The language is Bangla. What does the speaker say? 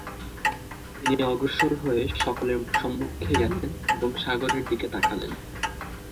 তিনি অগ্রসর হয়ে সকলের সম্মুখে গেলেন এবং সাগরের দিকে তাকালেন।